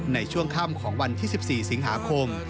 ในช่วงค่ำของวันที่๑๔สิงหาคม